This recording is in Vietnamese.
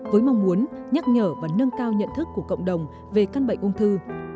với mong muốn nhắc nhở và nâng cao nhận thức của cộng đồng về căn bệnh ung thư